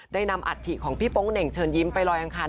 นำอัฐิของพี่โป๊งเหน่งเชิญยิ้มไปลอยอังคาร